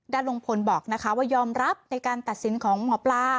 ลุงพลบอกนะคะว่ายอมรับในการตัดสินของหมอปลา